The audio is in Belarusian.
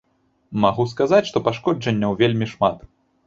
Магу сказаць, што пашкоджанняў вельмі шмат.